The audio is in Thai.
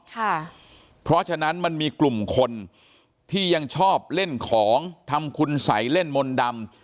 ค่ะเพราะฉะนั้นมันมีกลุ่มคนที่ยังชอบเล่นของทำคุณสัยเล่นมนต์ดำ